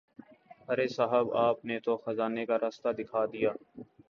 ارے صاحب آپ نے تو خزانے کا راستہ دکھا دیا۔